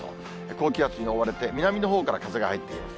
高気圧に覆われて、南のほうから風が入ってきます。